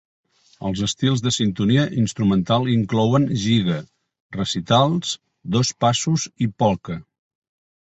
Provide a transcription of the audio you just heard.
Els estils de sintonia instrumental inclouen giga, recitals, dos passos i polca.